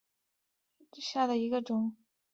豆梨为蔷薇科梨属下的一个种。